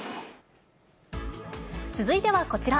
続いてはこちら。